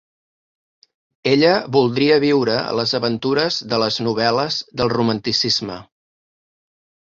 Ella voldria viure les aventures de les novel·les del romanticisme.